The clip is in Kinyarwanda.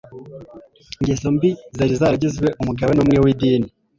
ingeso mbi zari zaragizwe umugabane umwe w’idini.